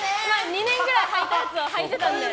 ２年くらいはいたやつをはいてたので。